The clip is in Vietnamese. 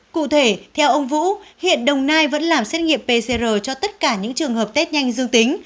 cụ thể theo ông vũ hiện đồng nai vẫn làm xét nghiệm pcr cho tất cả những trường hợp test nhanh dương tính